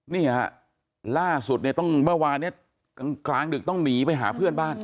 นี่ฮะล่าสุดเนี่ยต้องเมื่อวานเนี่ยกลางดึกต้องหนีไปหาเพื่อนบ้าน